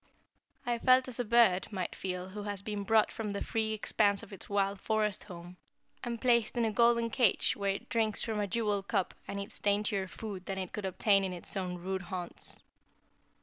I felt as a bird might feel who has been brought from the free expanse of its wild forest home, and placed in a golden cage where it drinks from a jeweled cup and eats daintier food than it could obtain in its own rude haunts.